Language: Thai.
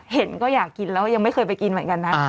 เห็นก็อยากกินแล้วยังไม่เคยไปกินเหมือนกันนะ